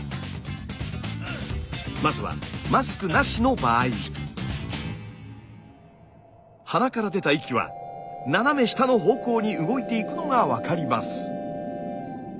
まずは鼻から出た息は斜め下の方向に動いていくのが分かります。